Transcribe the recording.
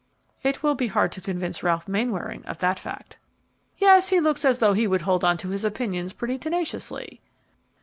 "It will be hard to convince Ralph Mainwaring of that fact." "Yes, he looks as though he would hold on to his opinions pretty tenaciously."